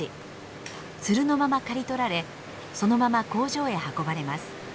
ツルのまま刈り取られそのまま工場へ運ばれます。